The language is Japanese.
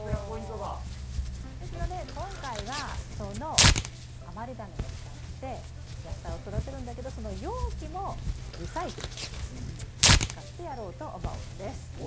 ですので今回はその余りダネを使って野菜を育てるんだけどその容器もリサイクルで使ってやろうと思うんです。